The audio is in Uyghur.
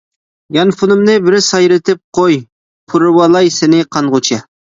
يانفونۇمنى بىر سايرىتىپ قوي، پۇرىۋالاي سېنى قانغۇچە.